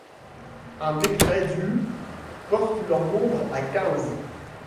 Un décret du porte leur nombre à quinze.